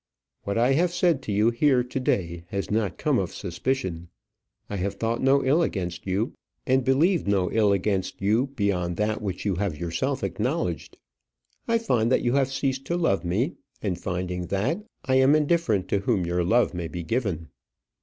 What I have said to you here to day has not come of suspicion. I have thought no ill against you, and believed no ill against you beyond that which you have yourself acknowledged. I find that you have ceased to love me, and finding that, I am indifferent to whom your love may be given."